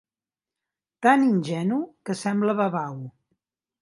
Tan ingenu que sembla babau.